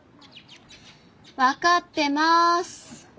分かってます。